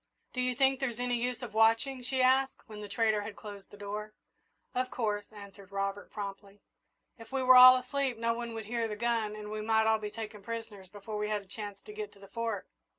"Do you think there's any use of watching?" she asked, when the trader had closed the door. "Of course," answered Robert, promptly. "If we were all asleep, no one would hear the gun and we might all be taken prisoners before we had a chance to get to the Fort."